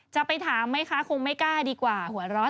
จะไปถามไหมคะคงไม่กล้าดีกว่าหัวเราะ